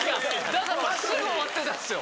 だから俺すぐ終わってたんすよ。